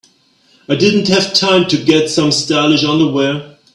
I didn't have time to get some stylish underwear.